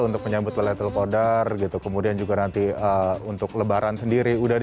untuk menyambut lele telkodar gitu kemudian juga nanti untuk lebaran sendiri